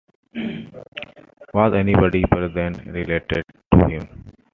Was anybody present related to him?